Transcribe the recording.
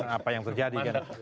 apa yang terjadi kan